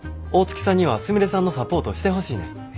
大月さんにはすみれさんのサポートをしてほしいねん。